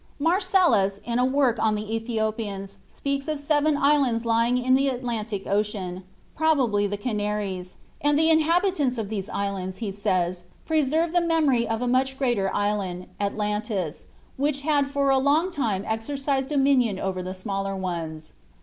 Marcellus, in a work on the Ethiopians, speaks of seven islands lying in the Atlantic Ocean probably the Canaries and the inhabitants of these islands, he says, preserve the memory of a much greater island, Atlantis, "which had for a long time exercised dominion over the smaller ones."